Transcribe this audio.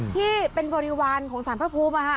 ที่เป็นบริวารของสารพระภูมิ